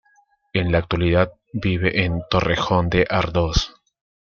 En la actualidad, vive en Torrejón de Ardoz.